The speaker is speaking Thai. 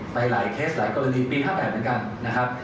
ไปหลายเคสหลายกรณีปี๕๘นะครับ